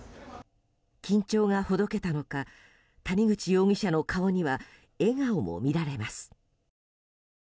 緊張がほどけたのか谷口容疑者の顔には笑顔も見られます。